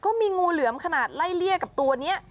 งูเหลือมขนาดไล่เลี่ยกับตัวนี้